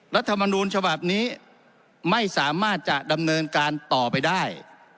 รัฐมนูลฉบับนี้ไม่สามารถจะดำเนินการต่อไปได้